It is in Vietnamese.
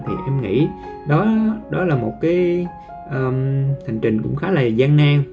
thì em nghĩ đó là một hành trình cũng khá là gian nan